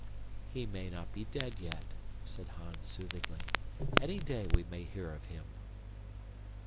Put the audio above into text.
"He may not be dead yet," said Hans soothingly. "Any day we may hear of him."